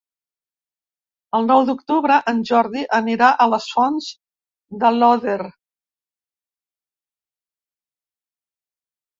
El nou d'octubre en Jordi anirà a les Fonts d'Aiòder.